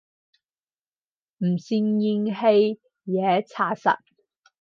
唔算怨氣嘢查實